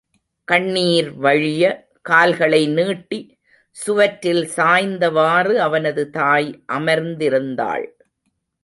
கண்ணீர் வழிய, கால்களை நீட்டி சுவற்றில் சாய்ந்தவாறு அவனது தாய் அமர்ந்திருந்தாள்.